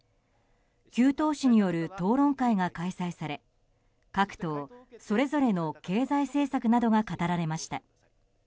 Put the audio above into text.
９党首による討論会が開催され各党それぞれの経済政策などが語られました。